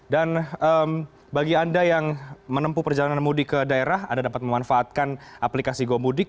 dan bagi anda yang menempuh perjalanan mudik ke daerah anda dapat memanfaatkan aplikasi gomudik